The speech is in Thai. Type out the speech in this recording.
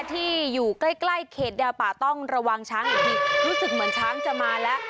ที่อยู่ใกล้ใกล้เขตดาวป่าต้องระวังช้างอีกทีรู้สึกเหมือนช้างจะมาแล้ว